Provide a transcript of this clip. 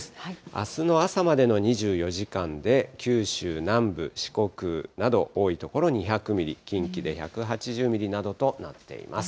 あすの朝までの２４時間で、九州南部、四国など多い所、２００ミリ、近畿で１８０ミリなどとなっています。